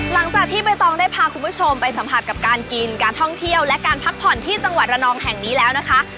หลังจากที่ใบตองได้พาคุณผู้ชมไปสัมผัสกับการกินการท่องเที่ยวและการพักผ่อนที่จังหวัดระนองแห่งนี้แล้วนะคะ